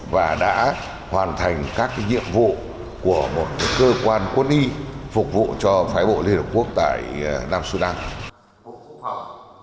và đã hoàn thành các nhiệm vụ của một cơ quan quân y phục vụ cho phái bộ liên hợp quốc tại nam sudan